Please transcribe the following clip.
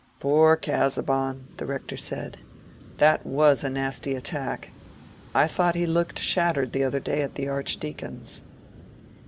"Poor Casaubon!" the Rector said. "That was a nasty attack. I thought he looked shattered the other day at the Archdeacon's."